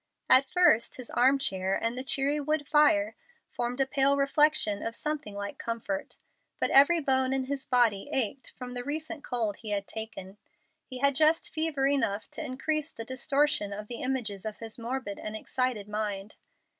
At first his arm chair and the cheery wood fire formed a pale reflection of something like comfort, but every bone in his body ached from the recent cold he had taken. He had just fever enough to increase the distortion of the images of his morbid and excited mind.